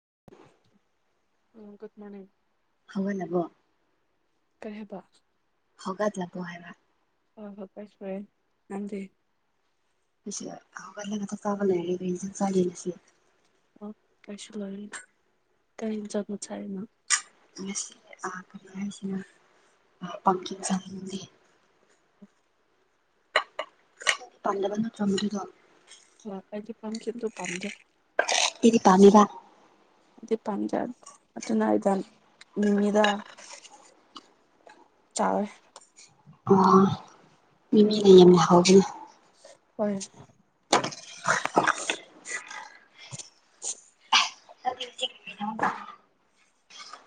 [unintelligible] ꯀꯠ ꯃꯅꯦ ꯍꯧꯍꯠꯅꯕꯣ ꯀꯔꯤ ꯍꯥꯏꯕ ꯍꯧꯒꯗ ꯂꯥꯛꯄꯣ ꯍꯥꯏꯕ ꯐ ꯂ ꯉ ꯆꯥꯕꯅ ꯆ ꯁꯤ ꯑꯣ ꯀꯩꯁꯨ ꯂ ꯀꯥꯏꯖꯠ ꯆꯥꯏꯅ ꯍꯥꯏꯁꯤꯅ ꯄ ꯆꯅꯤꯡꯦ ꯄꯥꯝꯗꯕ ꯅꯠꯇ꯭ꯔꯣ ꯃꯗꯨꯗꯣ ꯍꯥꯏꯗꯤ ꯄꯝ ꯀꯤꯟꯗ ꯄꯝꯖꯦ ꯏꯅꯤ ꯄꯉꯕ ꯄꯝꯖ ꯑꯗꯨꯅꯗ ꯅꯨꯃꯤꯗ ꯇꯋꯦ ꯑꯣ ꯃꯤ ꯂꯥꯎꯒ ꯍꯣꯏ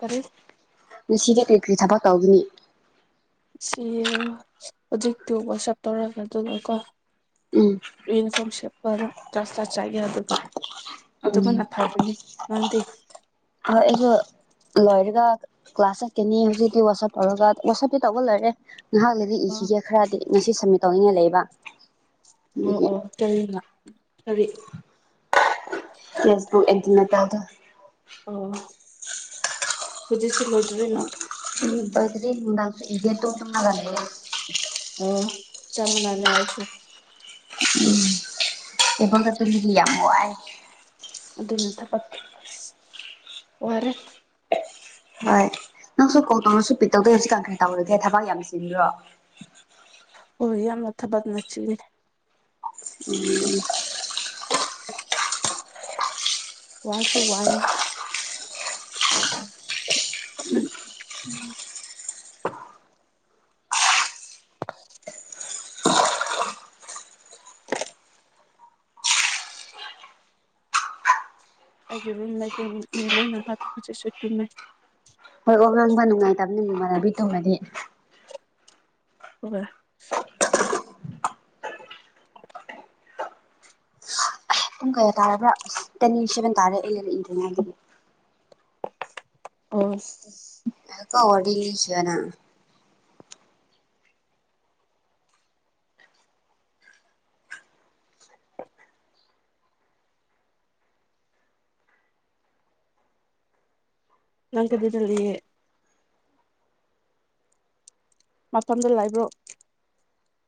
ꯀꯔꯤ ꯅꯨꯡꯁꯤꯗ ꯀꯔꯤ ꯀꯔꯤ ꯊꯕꯛ ꯀꯧꯒꯅꯤ ꯁꯤ ꯍꯧꯖꯤꯛꯇ ꯊꯕ ꯆꯞ ꯇꯧꯔꯒ ꯑꯗꯨꯅꯀꯣ ꯎꯝ ꯌꯨꯅꯤꯐꯣꯔꯝ ꯁꯦꯠꯄꯒ ꯀ꯭ꯂꯥꯁ ꯇꯥꯁ ꯆꯥꯏꯒꯦ ꯑꯗꯨꯒ ꯑꯗꯨꯕꯨ ꯎꯝ ꯑꯐꯕꯅꯤ ꯃꯪꯗꯦ ꯑꯩ ꯂꯣꯏꯔꯒ ꯀ꯭ꯂꯥꯁ ꯆꯠꯀꯅꯤ ꯍꯧꯖꯤꯛꯇꯤ ꯋꯥꯆꯞ ꯇꯧꯔꯒ ꯋꯥꯆꯞꯇꯤ ꯇꯧꯧꯕ ꯂꯣꯏꯔꯦ ꯉꯥꯏꯍꯥꯛꯅꯗꯤ ꯑꯣ ꯏꯈꯤꯒꯦ ꯈꯔꯗꯤ ꯉꯁꯤ ꯁꯝꯃꯤꯠ ꯇꯧꯅꯤꯡꯉꯥꯏ ꯂꯩꯕ ꯑꯣ ꯑꯗꯨꯒꯤ ꯑꯣ ꯀꯔꯤꯅ ꯀꯔꯤ ꯐꯦꯁꯕꯨꯛ ꯏꯟꯇꯔꯅꯦꯠ ꯑꯕ ꯑꯣ ꯖꯤꯁꯤ ꯂꯣꯏꯗꯨꯔꯅ ꯎ ꯇꯣꯏꯗ꯭ꯔꯤ ꯅꯨꯡꯗꯥꯡꯁꯨ ꯏꯗꯦ ꯇꯨꯝ ꯇꯨꯝꯂꯒ ꯂꯩꯌꯦ ꯑꯣ ꯆ ꯃꯅꯅꯁꯤ ꯎꯝ ꯑꯦꯕ ꯀ ꯑꯗꯨ ꯂ ꯂ ꯌꯥꯝꯃꯥꯏ ꯑꯣꯏꯔ ꯍꯣꯏ ꯅꯪꯁꯨ ꯀꯣ ꯇꯧꯅꯁꯨ ꯄꯤꯠꯇꯧꯗꯣꯏ ꯍꯧꯖꯤꯛ ꯀꯪ ꯀꯔ ꯇꯧꯔꯒꯦ ꯊꯕꯛ ꯌꯥꯝ ꯆꯤꯟꯕ꯭ꯔꯣ ꯍ ꯌꯥꯝ ꯃꯊꯕꯗ ꯅ ꯆ ꯎꯝ ꯋꯥꯁꯨ ꯋꯥꯏ ꯎꯝ ꯑꯩꯒꯤ ꯔꯨꯝ ꯂꯩ ꯇꯨꯝꯃꯤ ꯂꯣꯏꯅꯁꯠꯁꯨ ꯆꯨꯝꯃꯦ ꯕꯤ ꯇꯧꯅꯗꯤ ꯋꯥ ꯄꯨꯡ ꯀꯌꯥ ꯇꯥꯔꯕ꯭ꯔꯥ ꯑꯁ ꯇꯦꯟ ꯁꯚꯦꯟ ꯇꯥꯔꯦ ꯑꯩ ꯂꯩꯔꯛꯏꯗ꯭ꯔꯦꯉꯗꯒꯤ ꯑꯣ ꯑ ꯀ ꯑꯣ ꯋꯥꯔꯤ ꯂꯈꯤꯕꯅ ꯉꯪ ꯀꯗꯤ ꯇ ꯂꯩꯑꯦ ꯃꯐꯝꯗꯨ ꯂꯥꯏꯕ꯭ꯔꯣ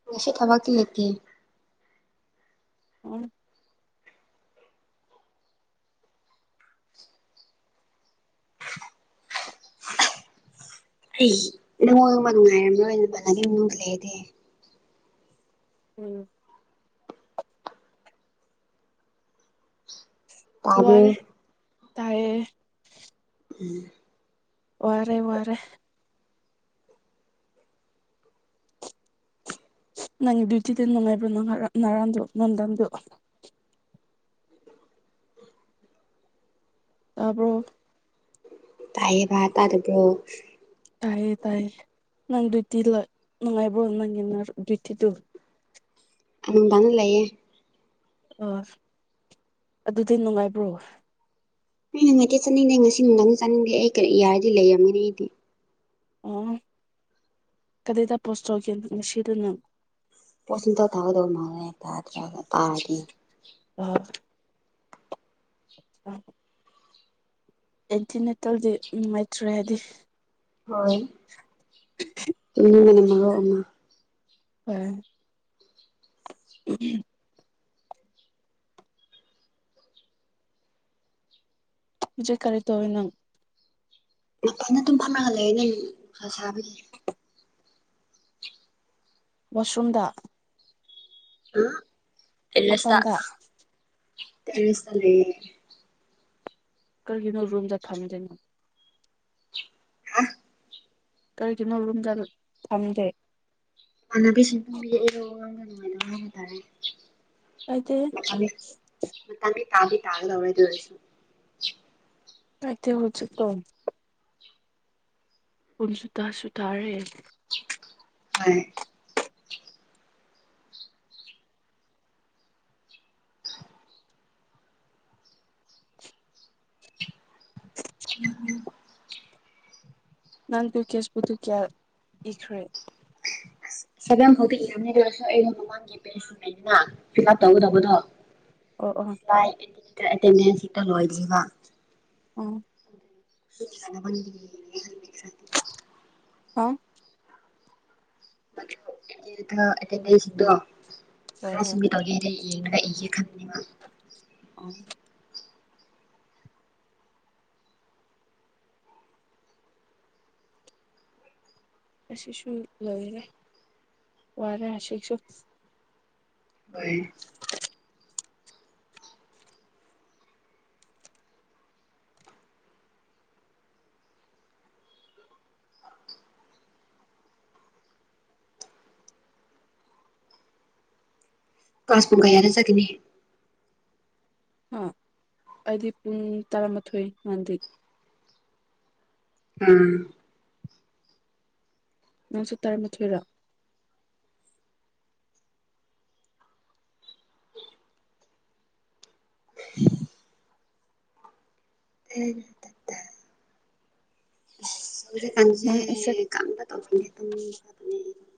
ꯉꯁ ꯊꯕꯀꯤ ꯂꯩꯇ ꯑꯣ ꯑꯩ ꯅꯪꯉꯣꯟꯗꯕ ꯅꯨꯡꯉꯥꯏꯔꯝꯔꯣꯏꯅꯦ ꯄꯂꯒꯤ ꯃꯅꯨꯡꯗ ꯂꯩꯔꯗꯤ ꯎꯝ ꯇꯥꯕꯨ ꯇꯔꯌꯦ ꯎꯝ ꯋꯥꯔꯦ ꯋꯥꯔꯦ ꯅꯪ ꯗ꯭ꯌꯨꯇꯤꯗ ꯅꯥꯏꯕ꯭ꯔꯣ ꯅꯪ ꯅꯔꯟꯣ ꯅꯗꯟꯗꯨ ꯇꯔꯕ꯭ꯔꯣ ꯇꯥꯏꯌꯦꯕ ꯇꯥꯕ꯭ꯔꯣ ꯇꯥꯏꯌꯦ ꯇꯥꯏꯌꯦ ꯅꯪ ꯗ꯭ꯌꯨꯇꯤ ꯂ ꯅꯅꯨꯡꯉꯥꯏꯕ ꯅꯪꯟꯅ ꯗ꯭ꯌꯨꯇꯤꯗꯨ [unintelligible] ꯝꯝꯕꯅ ꯂꯩꯌꯦꯦ ꯑ ꯑꯗꯨꯗꯤ ꯅꯨꯡꯉꯥꯏꯕ꯭ꯔꯣ ꯑꯩ ꯅꯨꯡꯉꯥꯏꯇꯦ ꯆꯠꯅꯤꯡꯗꯦ ꯉꯁꯤ ꯅꯨꯡꯗꯥꯡꯗꯤ ꯆꯠꯅꯤꯡꯗꯦ ꯑꯩ ꯀꯔꯤ ꯌꯥꯔꯗꯤ ꯂꯩꯔꯝꯒꯅꯤ ꯑꯩꯗꯤ ꯑꯣ ꯀꯗꯥꯏꯗ ꯄꯣꯁ ꯇꯧꯒꯦ ꯉꯁꯤꯗꯅꯪ ꯄꯣꯁꯟꯗ ꯇꯥꯒꯗꯧꯕ ꯃꯥꯦ ꯇ ꯇꯒ ꯇꯥꯔꯗꯤ ꯑ ꯑꯦꯟꯇꯤꯅꯦꯇꯦꯜꯗꯤ ꯅꯨꯡꯉꯥꯏꯇ꯭ꯔꯦ ꯍꯥꯏꯗꯤ ꯍꯣꯏ ꯏꯒꯅ ꯃꯔ ꯑꯃ ꯎꯝ ꯎꯝ ꯍꯧꯖꯤꯦ ꯀꯔꯤꯗꯋꯅ ꯐꯖꯅ ꯑꯗꯨꯝ ꯐꯝꯅꯒ ꯂꯩꯦ ꯅꯪ ꯁꯥꯕꯒꯤ ꯋꯥꯁꯨꯝꯗ ꯑ ꯃꯄꯟꯗ ꯇꯔꯁ ꯂꯩꯦ ꯀꯔꯤꯒꯤꯅꯣ ꯔꯨꯝꯗ ꯐꯪꯗꯣꯏꯅꯣ ꯍꯥ ꯀꯔꯤꯒꯤꯅꯣ ꯔꯨꯝꯗ ꯊꯝꯗꯦ ꯏꯃꯥꯟꯅꯕꯤꯁꯤꯡ ꯄꯨꯝꯕꯤꯔꯛꯏꯕ ꯋꯥꯉꯥꯡꯅ ꯅꯨꯡꯉꯥꯏꯅꯕ ꯍꯥꯏꯕ ꯇꯥꯔꯦ ꯀꯥꯏꯗꯦ ꯃꯊꯥꯡ ꯃꯇꯥꯡꯗꯤ ꯇꯥꯗꯤ ꯇꯥꯒꯗꯧꯔꯦꯗꯣꯏꯁꯨ ꯍꯥꯏꯗꯤ ꯍꯧ ꯎꯆ ꯀꯝ [unintelligible] ꯄꯨꯟꯁꯨꯇꯥ ꯁꯨꯇꯥꯔꯦ ꯍꯥꯏ ꯎꯝꯝ ꯅꯪꯗꯤ ꯀꯦꯁꯄꯨꯗꯨ ꯀꯌꯥ ꯏꯈ꯭ꯔꯦ ꯁꯕꯝ ꯍꯧꯖꯤꯛ ꯌꯥꯝ ꯂꯩꯔꯁꯨ ꯑꯩꯅ ꯃꯃꯥꯡꯒꯤ ꯄꯦꯅꯤꯅ [unintelligible] ꯐꯤꯛ ꯑꯞ ꯇꯧꯒꯗꯧꯕꯗꯣ ꯑꯣ ꯑꯣ [unintelligible] ꯑꯦꯇꯦꯟꯗꯦꯟ ꯍꯛꯇ ꯂꯣꯏꯕ ꯎꯝ ꯅ [unintelligible] ꯑ ꯑꯦꯇꯦꯟꯗꯦꯟꯁ ꯁꯤꯡꯗꯣ ꯍꯣꯏ ꯈꯔ ꯍꯣꯏ ꯁꯃꯤ ꯇꯧꯒꯦ ꯍꯩ ꯌꯦꯡꯔ ꯏꯒꯦ ꯈꯟꯕꯅꯦꯕ ꯑꯣ ꯑꯁꯤꯁꯁꯨꯨ ꯂꯣꯏꯔꯦ ꯋꯥꯔꯦ ꯍꯥꯁꯤꯛꯁꯨ ꯑꯩ ꯀꯥꯁ ꯄꯨꯡ ꯀꯌꯥꯗ ꯆꯠꯀꯅꯤ ꯑ ꯑꯩꯗꯤ ꯄꯨꯡ ꯇꯔꯥꯃꯥꯊꯣꯏ ꯉꯥꯟꯗꯤ ꯎꯝ ꯅꯪꯁꯨ ꯇꯥꯔꯝꯃꯊꯣꯏꯔ ꯁꯪꯁꯤ ꯀꯥꯟꯖꯦ ꯅꯪ ꯑꯦꯛꯁꯠ ꯀꯥꯟ ꯇ ꯇꯧꯍꯟꯒꯦ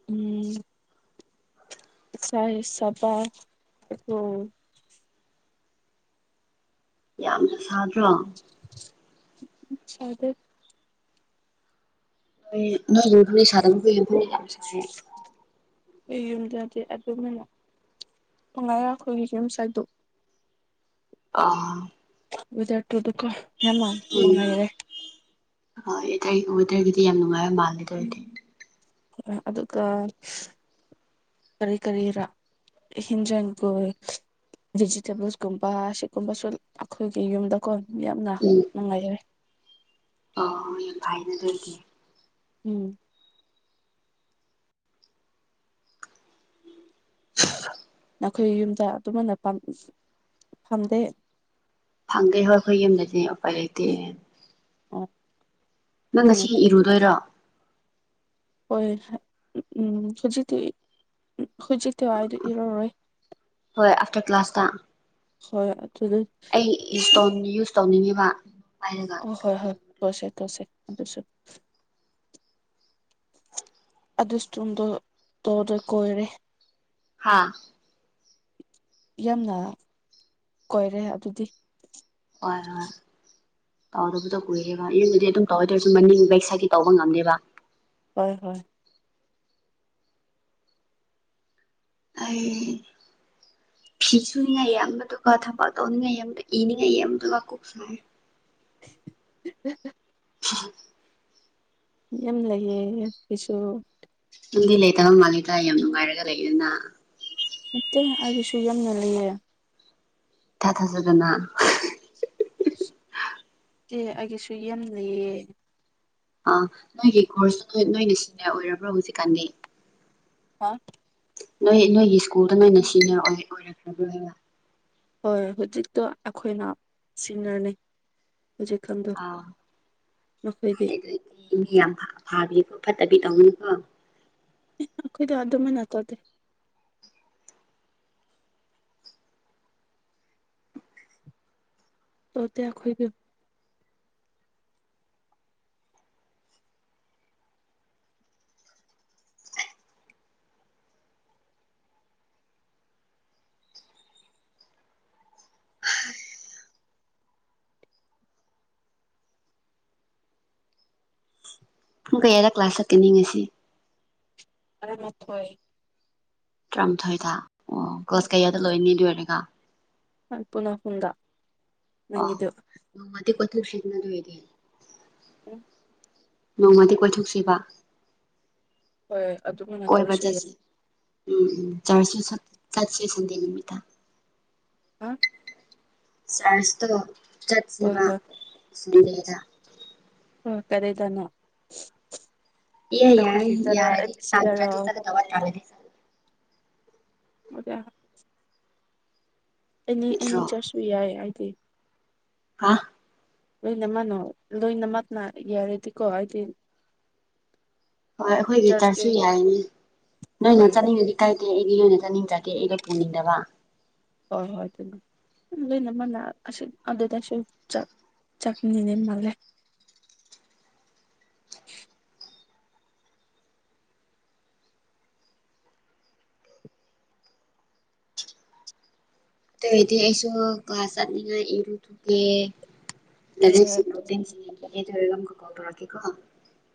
ꯎꯝ ꯁꯍꯤ ꯁꯕꯥ ꯍ ꯁꯥꯗ꯭ꯔ ꯑꯗ ꯅꯣꯏ ꯅꯣꯏ ꯌꯨꯇꯨꯗꯤ ꯁꯥꯁꯕꯔ꯭ ꯈꯣꯏ ꯌꯨ ꯌꯥꯝ ꯁꯥꯌꯦ ꯑꯩ ꯌꯨꯝꯗꯗꯤ ꯑꯗꯨꯝꯥꯏꯅ ꯉꯥꯔ ꯑꯩꯈꯣꯏꯒꯤ ꯌꯨꯝꯁꯗꯣ ꯑ ꯖ ꯇꯨꯗꯨꯀꯣ ꯌꯥꯝ ꯃꯥ ꯅꯨꯉꯥꯏꯔꯦ ꯍ ꯋꯦꯗꯔꯒꯤꯗꯤ ꯌꯥꯝ ꯅꯨꯡꯉꯥꯏꯕ ꯃꯥꯜꯂꯦ ꯑꯗꯨ ꯑꯣꯏꯗꯤ ꯑꯗꯨꯒ ꯀꯔꯤ ꯀꯔꯤꯔ ꯍꯤꯟꯖꯟꯒꯣꯜ ꯚꯦꯖꯤꯇꯦꯕꯜꯁꯀꯨꯝꯕ ꯁꯤꯒꯨꯝꯕꯁꯨ ꯑꯈꯣꯏꯒꯤ ꯌꯨꯝꯗ ꯀꯣꯟ ꯌꯥꯝꯅ ꯅꯨꯡꯉꯥꯏꯔꯦ ꯑꯣ ꯌꯥꯝ ꯐꯥꯏꯅꯗꯣꯏꯗꯤ ꯎꯝ [inaudible] ꯅꯈꯣꯏ ꯌꯨꯝꯗ ꯑꯗꯨꯃꯟꯅ ꯄꯥꯝ ꯐꯝꯗꯦ ꯐꯪꯗꯦ ꯍꯣꯏ ꯑꯩꯈꯣꯏ ꯌꯨꯝꯗꯗꯤ ꯎꯄꯥꯏ ꯂꯩꯇꯦ ꯑꯣ ꯅꯪ ꯉꯁꯤ ꯅꯨꯡꯉꯥꯏꯇꯦ ꯑꯗꯨꯗꯤ ꯏꯔꯨꯗꯣꯏꯔꯣ ꯍꯣꯏ ꯎꯝ ꯍꯨꯖꯤꯛꯇꯤ ꯍꯨꯏꯖꯤꯠꯇꯤ ꯋꯥꯏꯗꯤ ꯏꯔꯨꯔꯣꯏ ꯍꯣꯏ ꯑꯥꯐꯇꯔ ꯀ꯭ꯂꯥꯁꯇ ꯍꯣꯏ ꯑꯗꯨꯗꯤ ꯑꯩ ꯏꯒꯤ ꯏꯁꯇꯣꯟ ꯌꯨꯁ ꯇꯧꯅꯤꯡꯉꯤꯕ ꯄꯥꯏꯔꯒ ꯑꯣ ꯍꯣꯏ ꯍ ꯀꯁ ꯀꯁꯁ [unintelligible] ꯑꯗ ꯏꯁꯇꯨꯝꯗꯣ ꯇꯣꯗ ꯀꯣꯏꯔꯦ ꯍꯥꯥ ꯌꯥꯝꯅ ꯀꯣꯏꯔꯦ ꯑꯗꯨꯗꯤ ꯑꯣꯏꯔ ꯇꯧꯗꯕꯨꯗꯣ ꯀꯨꯏꯔꯦꯕ ꯏꯕꯨꯗꯤ ꯑꯗꯨꯝ ꯇꯧꯔꯗꯧꯔꯁꯨ ꯃꯅꯤꯡ ꯕꯦꯛ ꯁꯥꯏꯒꯤ ꯇꯧꯕ ꯉꯝꯗꯦꯕ ꯍꯣꯏ ꯍꯣꯏ ꯑꯩ [unintelligible] ꯐꯤ ꯁꯨꯅꯤꯡꯉꯥꯏ ꯌꯝꯕꯗꯨꯒ ꯊꯥꯕꯛ ꯇꯧꯅꯤꯡꯉꯥꯏ ꯌꯥꯝꯗꯣꯏ ꯏꯅꯤꯡꯉꯥꯏ ꯌꯝꯗꯣꯏꯒ ꯀꯣꯛ ꯁꯥꯌꯦ꯫ [unintelligible] [unintelligible] ꯌꯥꯝ ꯂꯩꯌꯦ ꯑꯦꯞꯀꯤꯁꯨ꯫ ꯅꯪꯗꯤ ꯂꯩꯇꯕ ꯃꯥꯂꯦꯗ ꯌꯥꯝ ꯅꯨꯡꯉꯥꯏꯔꯒ ꯂꯩꯗꯨꯅ꯫ ꯅꯠꯇꯦ ꯑꯩꯒꯤꯁꯨ ꯌꯥꯝꯅ ꯂꯩꯌꯦ꯫ ꯏ ꯊꯥ ꯊꯥꯖꯗꯅ꯫ ꯇꯦ ꯑꯩꯒꯤꯁꯨ ꯌꯥꯝ ꯂꯩꯌꯦ꯫ ꯑꯥ ꯅꯣꯏꯒꯤ ꯈꯣꯔꯁꯨ ꯅꯣꯏꯅ ꯁꯤꯅꯤꯌꯔ ꯑꯣꯏꯔꯕ꯭ꯔꯣ ꯍꯧꯖꯤꯛꯀꯥꯟꯗꯤ꯫ ꯍꯥ꯫ ꯅꯣꯏ ꯅꯣꯏꯒꯤ ꯁ꯭ꯀꯨꯜꯗ ꯅꯣꯏꯅ ꯁꯤꯅꯤꯌꯔ ꯑꯣꯏ ꯑꯣꯏꯔꯛꯈ꯭ꯔꯕ꯭ꯔꯕ꯫ ꯍꯣꯏ ꯍꯧꯖꯤꯛꯇꯣ ꯑꯩꯈꯣꯏꯅ ꯁꯤꯅꯤꯌꯔꯅꯦ꯫ ꯍꯧꯖꯤꯛ ꯀꯥꯟꯗꯣ ꯑꯥ ꯃꯈꯣꯌꯗꯤ꯫ ꯑꯗꯨꯗꯤ ꯃꯤ ꯌꯥꯝ ꯐꯥꯕꯤ ꯐꯠꯇꯕꯤ ꯇꯧꯅꯤꯀꯣ꯫ ꯌꯥ ꯑꯗꯨꯃꯥꯏꯅ ꯇꯧꯗꯦ꯫ ꯇꯧꯗꯦ ꯑꯈꯣꯏꯗꯤ꯫ ꯄꯨꯡ ꯀꯌꯥꯗ ꯀ꯭ꯂꯥꯁ ꯆꯠꯀꯅꯤ ꯉꯁꯤ꯫ ꯇꯔꯥꯃꯊꯣꯏ꯫ ꯇꯔꯥꯃꯥꯊꯣꯏꯗ ꯑꯣ ꯀ꯭ꯂꯥꯁ ꯀꯌꯥꯗ ꯂꯣꯏꯅꯤ ꯑꯗꯨ ꯑꯣꯏꯔꯒ꯫ ꯄꯨꯅ ꯍꯨꯟꯗ꯫ ꯑꯣ ꯅꯣꯡꯃꯗꯤ ꯄꯨꯟꯊꯣꯛꯁꯤꯗꯅ ꯑꯗꯨ ꯑꯣꯏꯗꯤ꯫ [unintelligible] ꯅꯣꯡꯃꯗꯤ ꯀꯣꯏꯊꯣꯛꯁꯤꯕ꯫ ꯍꯣꯏ ꯑꯗꯨꯃꯥꯏꯅ ꯀꯣꯏꯕ ꯇꯧꯔꯁꯨ ꯌꯥꯏ ꯆꯠꯁꯦ ꯎꯝ ꯎꯝ ꯆꯥꯔ꯭ꯁꯁꯨ ꯆꯥꯠꯁꯦ ꯁꯥꯟꯗꯦ ꯅꯨꯃꯤꯠꯇ꯫ [unintelligible] ꯆꯥꯔ꯭ꯁ ꯇꯣ ꯍꯣꯏ ꯆꯠꯁꯦꯕ ꯍꯣꯏ ꯁꯥꯟꯗꯦꯗ꯫ ꯑꯣ ꯀꯗꯥꯏꯗꯅꯣ꯫ ꯏꯌꯥ ꯌꯥꯏ ꯑꯩꯈꯣꯏꯒꯤ ꯇꯔꯥ ꯌꯥꯔ ꯑꯦ ꯕꯤ ꯁꯤꯗꯔꯣ ꯇꯟꯗꯔ꯭ꯗꯤ ꯆꯥꯠꯀꯗꯧꯕ ꯇꯟꯂꯥꯗꯤ ꯆꯠꯂꯣꯏ [unintelligible] ꯑꯦꯅꯤ ꯑꯦꯅꯤ ꯅꯠꯇ꯭ꯔꯣ ꯆꯔꯁ ꯁꯨ ꯌꯥꯏ ꯑꯩꯗꯤ ꯑꯥ ꯂꯣꯏꯅ ꯃꯛꯅꯣ ꯂꯣꯏꯅ ꯃꯛꯅ ꯌꯥꯔꯗꯤꯀꯣ ꯍꯥꯏꯗꯤ ꯍꯣꯏ ꯑꯩꯈꯣꯏꯒꯤ ꯆꯔꯁꯇꯤ ꯆꯔꯁꯁꯨ ꯌꯥꯏꯅꯦ ꯅꯣꯏꯅ ꯍꯣꯏ ꯆꯠꯅꯤꯡꯉꯗꯤ ꯀꯥꯏ ꯑꯩꯗꯤ ꯅꯣꯏꯅ ꯆꯥꯅꯤꯡꯗꯔ꯭ꯗꯤ ꯑꯩꯗꯤ ꯄꯨꯅꯤꯡꯗꯕ꯫ ꯍꯣꯏ ꯍꯣꯏ ꯑꯗꯨꯅꯤ ꯂꯣꯏꯅ ꯃꯛꯅ ꯑꯁꯤ ꯑꯗꯨꯗꯁꯨ ꯆꯥꯛꯅꯤꯅꯦ ꯃꯥꯜꯂꯦ꯫ [inaudible] ꯑꯗꯨ ꯑꯣꯏꯗꯤ ꯑꯩꯁꯨ ꯀ꯭ꯂꯥꯁ ꯆꯠꯅꯤꯡꯉꯥꯏ ꯏꯔꯨ ꯊꯣꯛꯀꯦ [unintelligible] ꯍꯣꯏ ꯏꯔꯨꯖ ꯂꯣꯏꯔꯒ ꯑꯃꯨꯛꯀꯥ ꯀꯣꯜ ꯇꯧꯔꯛꯀꯦꯀꯣ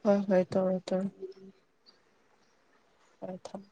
ꯍꯣꯏ ꯍꯣꯏ ꯇꯧꯔꯛꯑꯣ ꯇꯧꯔꯛꯑꯣ ꯊꯝꯃꯦ ꯍꯣꯏ ꯊꯝꯃꯣ